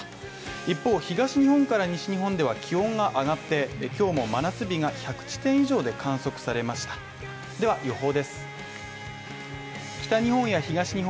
一方東日本から西日本では気温が上がって今日も真夏日が１００地点以上で観測されましたでは、予報です。